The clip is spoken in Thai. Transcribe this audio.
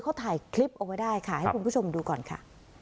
เขาถ่ายคลิปเอาไว้ได้ค่ะให้คุณผู้ชมดูก่อนค่ะ